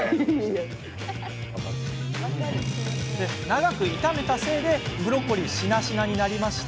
長く炒めたせいでブロッコリーがしなしなに。